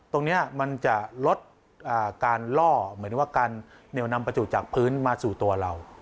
ตรงนี้มันจะลดการล่อเหมือนว่าการเหนียวนำประจุจากพื้นมาสู่ตัวเรา